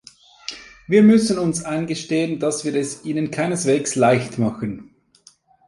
Wir müssen uns eingestehen, dass wir es ihnen keineswegs leicht machen.